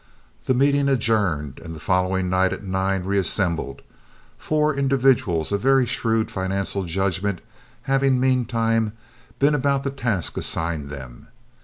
The meeting adjourned, and the following night at nine reassembled, four individuals of very shrewd financial judgment having meantime been about the task assigned them.